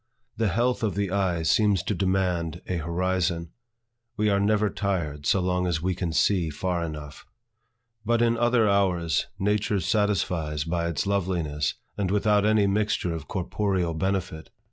The health of the eye seems to demand a horizon. We are never tired, so long as we can see far enough. But in other hours, Nature satisfies by its loveliness, and without any mixture of corporeal benefit.